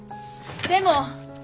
でも！